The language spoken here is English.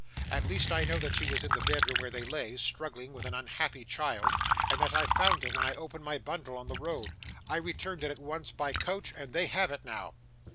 At least, I know that she was in the bedroom where they lay, struggling with an unhappy child, and that I found it when I opened my bundle on the road. I returned it, at once, by coach, and they have it now.